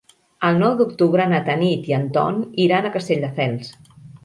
El nou d'octubre na Tanit i en Ton iran a Castelldefels.